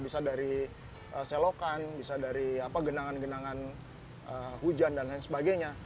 bisa dari selokan bisa dari genangan genangan hujan dan lain sebagainya